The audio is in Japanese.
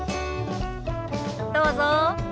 どうぞ。